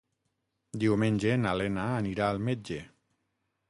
Diumenge na Lena anirà al metge.